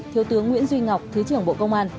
thiếu tướng nguyễn duy ngọc thứ trưởng bộ công an